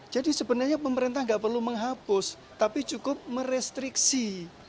jadi sebenarnya pemerintah tidak perlu menghapus tapi cukup merestriksi